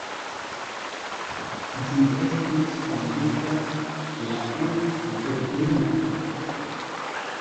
Ĝi estis fondita la en Dublino.